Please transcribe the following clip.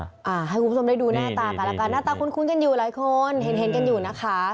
อ่าให้คุณผู้ชมได้ดูหน้าตากันแล้วกันหน้าตาคุ้นกันอยู่หลายคนเห็นเห็นกันอยู่นะคะ